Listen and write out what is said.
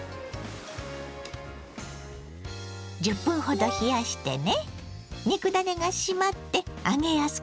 １０分ほど冷やしてね。